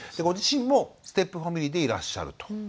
ご自身もステップファミリーでいらっしゃると。